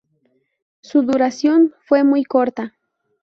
Su duración fue muy corta.